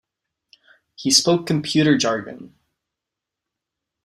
He spoke computer jargon.